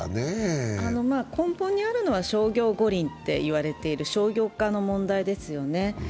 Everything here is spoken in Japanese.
根本にあるのは商業五輪といわれている商業化の問題ですよね。